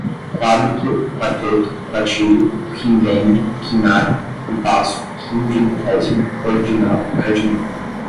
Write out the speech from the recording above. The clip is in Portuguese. Quádruplo, quarteto, quartilho, quindênio, quinário, compasso, quingentésimo, ordinal, cardinal